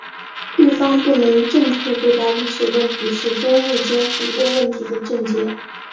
日方不能正确对待历史问题是中日间很多问题的症结。